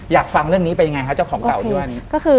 อยากฟังเรื่องนี้เป็นยังไงครับเจ้าของเก่า